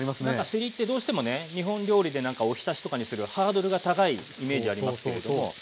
なんかせりってどうしてもね日本料理でなんかおひたしとかにするハードルが高いイメージありますけれども。